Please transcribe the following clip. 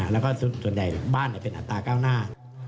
แล้วก็ส่วนใหญ่บ้านเป็นอัตราเก้าหน้า